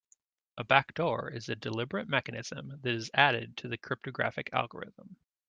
A backdoor is a deliberate mechanism that is added to a cryptographic algorithm.